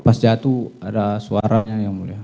pas jatuh ada suaranya yang mulia